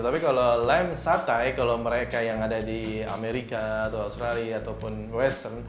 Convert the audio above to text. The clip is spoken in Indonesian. tapi kalau lem satai kalau mereka yang ada di amerika atau australia ataupun western